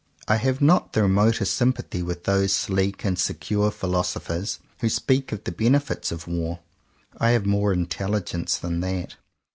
I have not the remotest sympathy with those sleek and secure philosophers who speak of the benefits of war. I have more intelligence than that.